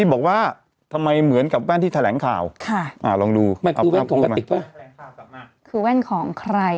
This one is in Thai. บอกว่าทำไมเหมือนกับแว่นที่แถลงข่าวค่ะอ่าลองดูคือแว่นของใคร